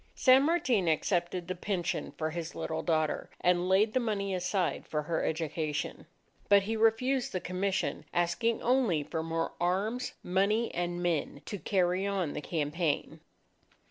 San Martin accepted the pension for his little daughter, and laid the money aside for her education. But he refused the commission, asking only for more arms, money, and men, to carry on the campaign.